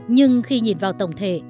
nhưng khi nhìn vào tổng thể